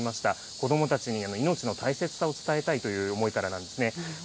子どもたちに命を大切さを伝えたいという思いからなんですね。